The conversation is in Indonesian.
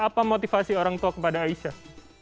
apa motivasi orang tua kepada aisyah